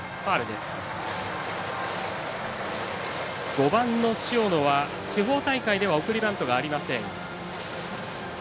５番の塩野は地方大会では送りバントがありません。